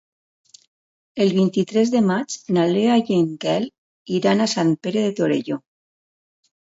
El vint-i-tres de maig na Lea i en Quel iran a Sant Pere de Torelló.